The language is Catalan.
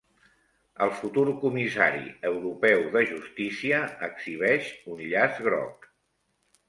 El futur comissari europeu de Justícia exhibeix un llaç groc